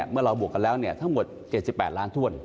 เมื่อเราบวกกันแล้วทั้งหมด๗๘ล้านถ้วน